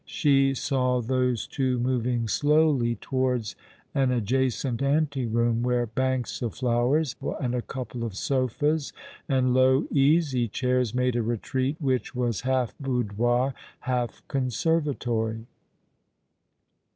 She saw those two moving slowly towards an adjacent ante room, where banks of flowers, and a couple of sofas and low easy chairs made a retreat which was half boudoir, half conservatory.